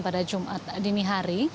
pada jumat dini hari